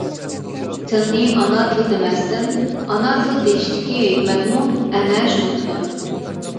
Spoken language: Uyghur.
تىلنى «ئاتا تىل» دېمەستىن «ئانا تىل» دېيىشتىكى ھېكمەتمۇ ئەنە شۇنىڭدىدۇر.